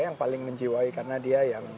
yang paling menjiwai karena dia yang